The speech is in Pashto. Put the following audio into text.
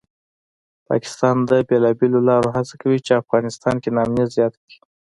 پاکستان د بېلابېلو لارو هڅه کوي چې افغانستان کې ناامني زیاته کړي